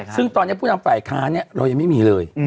ซึ่งตอนนี้ผู้นำฝ่ายค้าเนี่ยเรายังไม่มีเลย